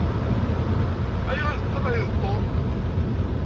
Ayɣeṛ i teṭṭalayeḍ Tom?